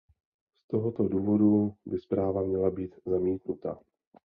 Z tohoto důvodu by zpráva měla být zamítnuta.